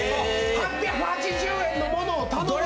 ８８０円のものを頼むと。